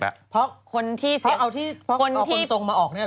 เพราะเอาคนทรงมาออก